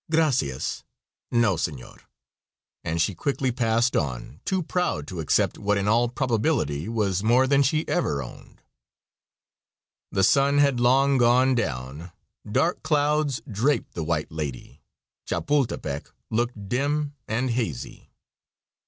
"Gracias, no, senor!" and she quickly passed on, too proud to accept what in all probability was more than she ever owned. The sun had long gone down; dark clouds draped the "White Lady;" Chapultepec looked dim and hazy.